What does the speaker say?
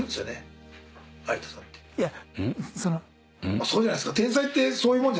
「そうじゃないですか？」